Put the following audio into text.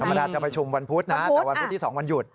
เวลาจะประชุมวันพุธนะแต่วันพุธที่๒วันหยุด